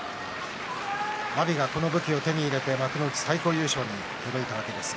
阿炎はこの武器を手に入れて幕内最高優勝に届いたわけですが。